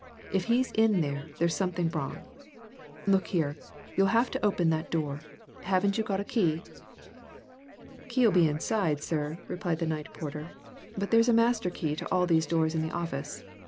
If he's in there, there's something wrong. Look here! you'll have to open that door. Haven't you got a key?" "Key'll be inside, sir," replied the night porter. "But there's a master key to all these doors in the office.